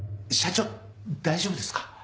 社長大丈夫ですか？